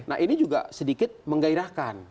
nah ini juga sedikit menggairahkan